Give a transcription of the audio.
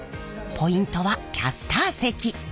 ポイントはキャスター席。